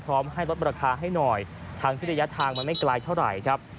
พร้อมให้ลดราคาให้หน่อยทั้งที่ระยะทางมันไม่ไกลเท่าไหร่ครับ